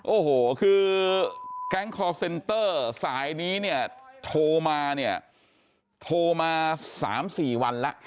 โอ้โหคือแก๊งคอร์เซนเตอร์สายนี้เนี่ยโทรมาเนี่ยโทรมา๓๔วันแล้ว